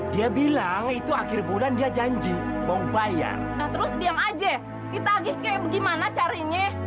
dia bilang itu akhir bulan dia janji mau bayar nah terus diam aja ditagih kayak gimana carinya